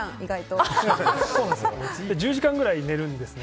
１０時間くらい寝るんですね。